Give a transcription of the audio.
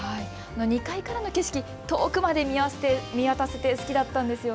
２階からの景色、遠くまで見渡せて好きだったんです。